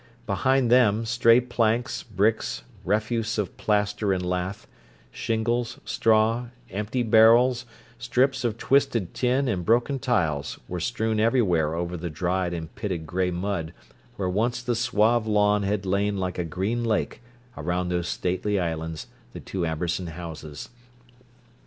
Behind them, stray planks, bricks, refuse of plaster and lath, shingles, straw, empty barrels, strips of twisted tin and broken tiles were strewn everywhere over the dried and pitted gray mud where once the suave lawn had lain like a green lake around those stately islands, the two Amberson houses.